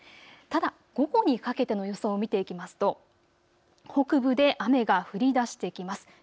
ただ午後にかけての予想を見ていきますと北部で雨が降りだしてきます。